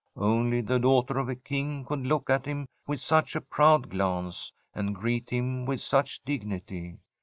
Only the daughter of a King could look at him with such a proud glance, and greet him with such dignity.